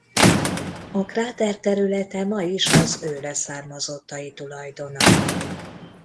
A kráter területe ma is az ő leszármazottai tulajdona.